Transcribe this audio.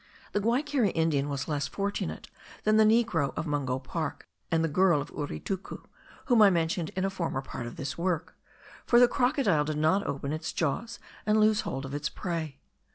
The Guaykeri Indian was less fortunate than the negro of Mungo Park, and the girl of Uritucu, whom I mentioned in a former part of this work, for the crocodile did not open its jaws and lose hold of its prey.